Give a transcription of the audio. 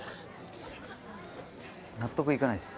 納得いかないっす。